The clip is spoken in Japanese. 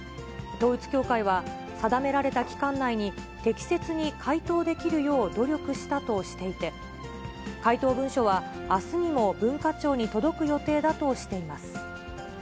統一教会は、定められた期間内に適切に回答できるよう努力したとしていて、回答文書は、あすにも文化庁に届く予定だとしています。